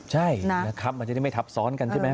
ใช่นะครับมันจะได้ไม่ทับซ้อนกันใช่ไหม